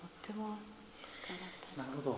なるほど。